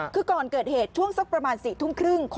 คือก่อนเกิดเหตุช่วงสักประมาณ๔ทุ่มครึ่ง